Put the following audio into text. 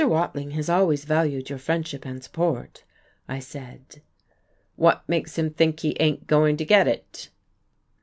Watling has always valued your friendship and support," I said. "What makes him think he ain't going to get it?"